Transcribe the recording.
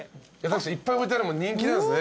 いっぱい置いてあるもん人気なんですね。